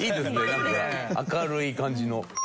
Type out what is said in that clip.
なんか明るい感じの。